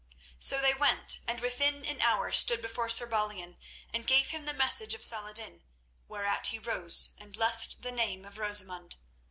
So they went, and within an hour stood before Sir Balian and gave him the message of Saladin, whereat he rose and blessed the name of Rosamund.